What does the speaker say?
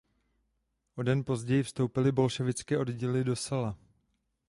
O den později vstoupily bolševické oddíly do Sela.